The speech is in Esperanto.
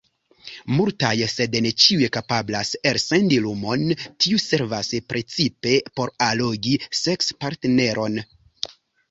Multaj, sed ne ĉiuj, kapablas elsendi lumon; tio servas precipe por allogi seks-partneron.